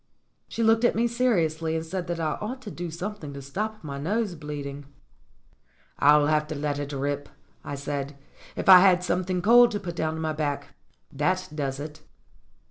She looked at me seriously, and said that I ought to do something to stop my nose bleeding. "I'll have to let it rip," I said. "If I had something cold to put down my back, that does it."